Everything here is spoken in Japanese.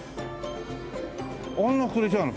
あんな膨れちゃうの？